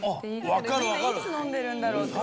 いつ飲んでるんだろうって。